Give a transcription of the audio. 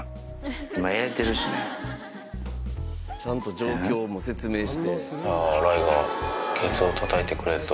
ちゃんと状況も説明して。